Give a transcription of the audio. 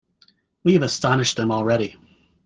We have astonished them already.